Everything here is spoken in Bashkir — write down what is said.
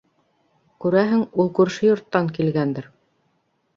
Күрәһең, ул күрше йорттан килгәндер.